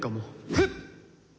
フッ！